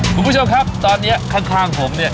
คุณผู้ชมครับตอนนี้ข้างผมเนี่ย